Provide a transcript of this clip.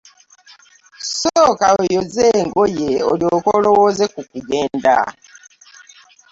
Sooka oyoze engoye olyoke olowooze ku kugenda.